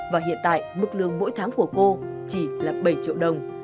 và hiện tại mức lương mỗi tháng của cô chỉ là bảy triệu đồng